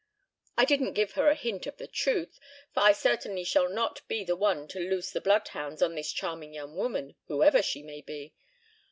I didn't give her a hint of the truth, for I certainly shall not be the one to loose the bloodhounds on this charming young woman, whoever she may be.